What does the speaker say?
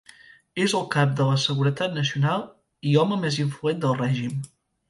És el cap de la seguretat nacional i home més influent del règim.